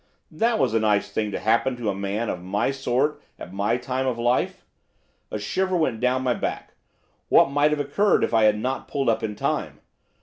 That was a nice thing to happen to a man of my sort at my time of life. A shiver went down my back, what might have occurred if I had not pulled up in time!